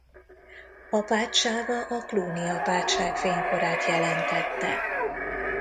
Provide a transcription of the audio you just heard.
Apátsága a Cluny Apátság fénykorát jelentette.